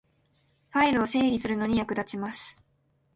ファイルを整理するのに役立ちます